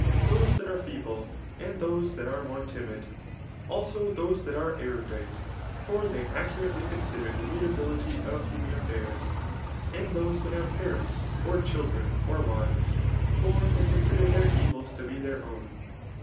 Those that are feeble, and those that are more timid. Also those that are erudite ; for they accurately consider the mutability of human affairs. And those ^hat have parents, or chil dren, or wives ; for they consider their evils to be their own.